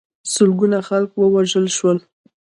سلګونه خلک ووژل شول.